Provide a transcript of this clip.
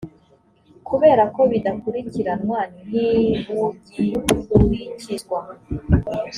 kubera ko bidakurikiranwa ntibugikurikizwa